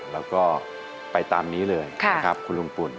แล้วก็ไปตามนี้เลยนะครับคุณลุงปุ่น